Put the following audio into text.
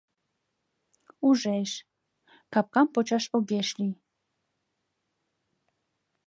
Ужеш, капкам почаш огеш лий.